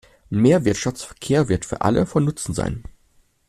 Mehr Wirtschaftsverkehr wird für alle von Nutzen sein.